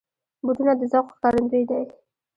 بوټونه د ذوق ښکارندوی دي.